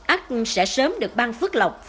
ác sẽ sớm được băng phước lọc phúc dày